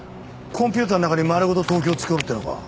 コンピューターの中に丸ごと東京を作ろうっていうのか。